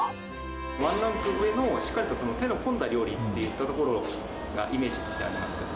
ワンランク上のしっかりと手の込んだ料理といったところをイメージとしてあります。